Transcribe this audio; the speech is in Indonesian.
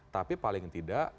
tapi paling tidak